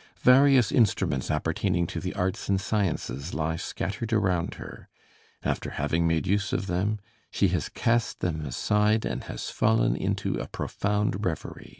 Various instruments appertaining to the arts and sciences lie scattered around her; after having made use of them, she has cast them aside and has fallen into a profound revery.